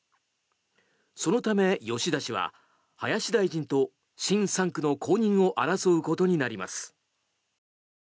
そのため、吉田氏は林大臣と新３区の公認を争うことになります。